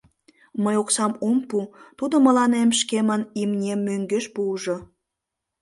Мый оксам ом пу, тудо мыланем шкемын имнем мӧҥгеш пуыжо.